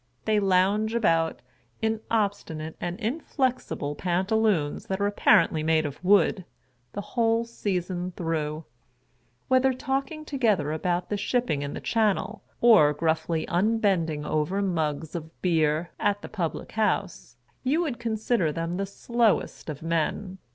They lounge about, in obstinate and inflexible pantaloons that are apparently made of wood, the whole season through. Whether talking together about the shipping in the Channel, or gruffly unbending over mugs of beer at the public house, you would consider them the slowest of men.